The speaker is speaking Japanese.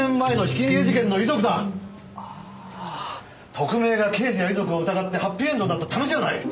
特命が刑事や遺族を疑ってハッピーエンドになったためしがない。